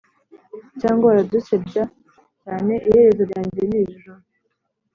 cyangwa. baradusebya? cyaneiherezo ryanjye ni iri joro